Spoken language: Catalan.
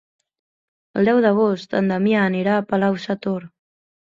El deu d'agost en Damià anirà a Palau-sator.